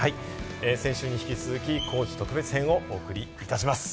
先週に引き続き高知特別編をお送りいたします。